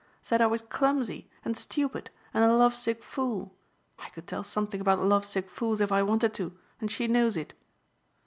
Said I was "clumsy" and "stupid" and "a love sick fool." I could tell something about love sick fools if I wanted to! And she knows it."